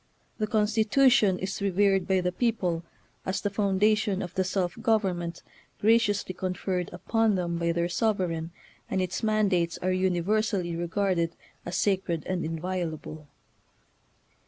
The Constitution is revered by the people as the foundation of the self government graciously conferred upon them by their sovereign, and its mandates are univer sally regarded as sacred and inviolable.